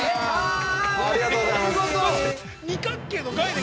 ◆ありがとうございます。